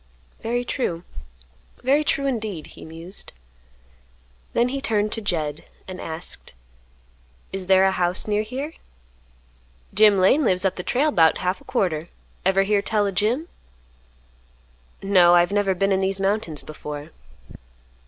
"Very true, very true, indeed," he mused. Then he turned to Jed, and asked, "Is there a house near here?" "Jim Lane lives up the trail 'bout half a quarter. Ever hear tell o' Jim?" "No, I have never been in these mountains before."